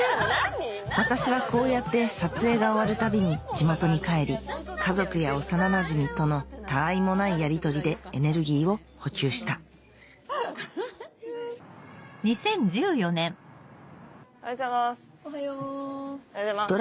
私はこうやって撮影が終わるたびに地元に帰り家族や幼なじみとの他愛もないやりとりでエネルギーを補給したおはようございます。